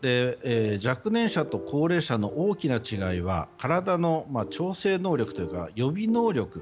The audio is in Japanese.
若年者と高齢者の大きな違いは体の調整能力というか予備能力。